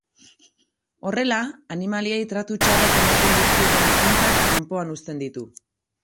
Horrela, animaliei tratu txarrak ematen dizkieten ekintzak kanpoan uzten ditu.